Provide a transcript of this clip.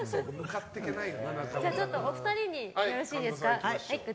お二人によろしいですか。